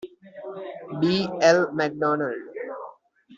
B. L. MacDonald.